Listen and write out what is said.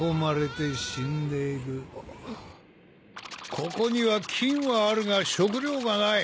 ここには金はあるが食料がない。